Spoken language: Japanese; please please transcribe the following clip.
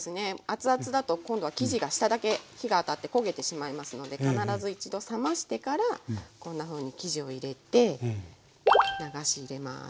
熱々だと今度は生地が下だけ火が当たって焦げてしまいますので必ず一度冷ましてからこんなふうに生地を入れて流し入れます